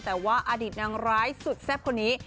แต่ว่าอดีตนางร้ายสุดแซ่บคนนี้